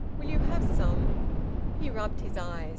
Will you have some?" He rubbed his eyes.